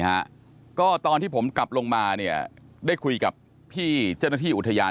ฮะก็ตอนที่ผมกลับลงมาเนี่ยได้คุยกับพี่เจ้าหน้าที่อุทยาน